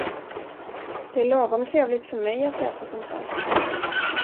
Det är lagom trevligt för mig att läsa sånt här.